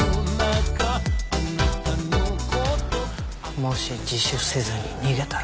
もし自首せずに逃げたら。